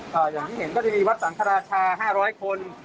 ก็อย่างที่เห็นก็จะมีวัดตังฆราชา๕๐๐คน